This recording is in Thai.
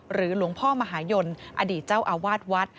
หลวงพ่อมหายนอดีตเจ้าอาวาสวัด